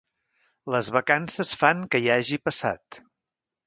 Les vacances fan que hi hagi passat.